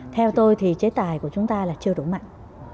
theo tôi thì chế tài của chúng ta là chưa đủ mạnh